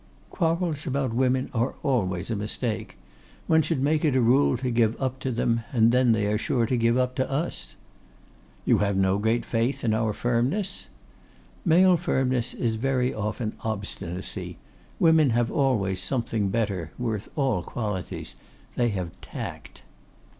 'Quarrels about women are always a mistake. One should make it a rule to give up to them, and then they are sure to give up to us.' 'You have no great faith in our firmness?' 'Male firmness is very often obstinacy: women have always something better, worth all qualities; they have tact.